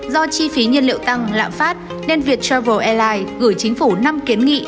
do chi phí nhiên liệu tăng lạm phát nên viettravel airlines gửi chính phủ năm kiến nghị